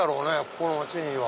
ここの町には。